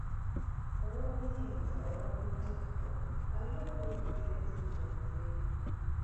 Ow'obuyinza ow'oku ntikko alina okuwuliriza ebizibu byaffe.